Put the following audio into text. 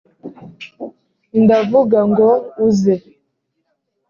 ndavuga ngo uze